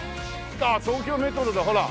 ああ東京メトロだほら。